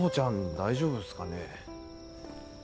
大丈夫っすかね？